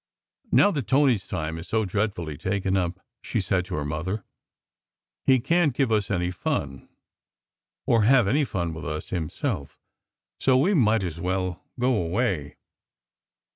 "Now that Tony s time is so dreadfully taken up," she said to her mother, "he can t give us any fun, or have any fun with us himself, so we might as well go away.